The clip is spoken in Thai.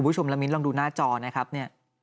คุณผู้ชมละมินลองดูหน้าจอนะครับเนี่ย